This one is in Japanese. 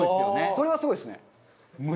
それはすごいですね。